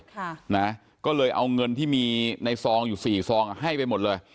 ค่ะนะก็เลยเอาเงินที่มีในซองอยู่สี่ซองอ่ะให้ไปหมดเลย